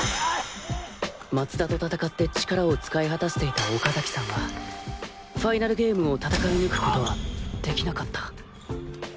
松田と戦って力を使い果たしていた岡崎さんはファイナルゲームを戦い抜くことはできなかった